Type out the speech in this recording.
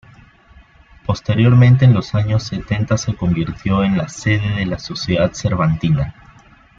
Posteriormente en los años setenta se convirtió en la sede de la Sociedad Cervantina.